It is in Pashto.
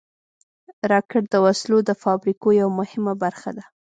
راکټ د وسلو د فابریکو یوه مهمه برخه ده